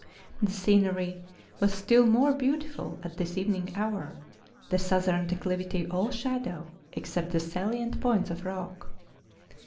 The scenery was still more beautiful at this evening hour, the southern declivity all shadow, except the salient points of rock.